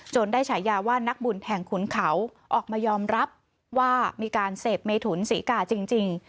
ได้ฉายาว่านักบุญแห่งขุนเขาออกมายอมรับว่ามีการเสพเมถุนศรีกาจริง